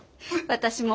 私も。